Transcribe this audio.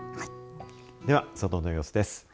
では、外の様子です。